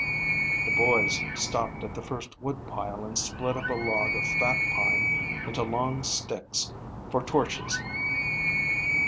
The boys stopped at the first wood pile and split up a log of fat pine into long sticks for torches.